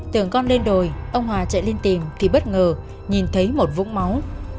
tưởng con lên đồi ông hoàng chạy lên tìm thì bất ngờ nhìn thấy một vũng máu